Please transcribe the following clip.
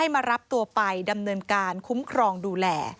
มารับตัวไปดำเนินการคุ้มครองดูแล